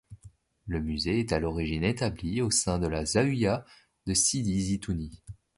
Le musée s'est à l'origine établi au sein de la zaouïa de Sidi Zitouni.